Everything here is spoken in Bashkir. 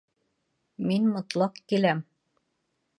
Мин мотлаҡ киләм